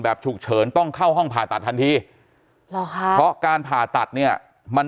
ฉุกเฉินต้องเข้าห้องผ่าตัดทันทีหรอคะเพราะการผ่าตัดเนี่ยมัน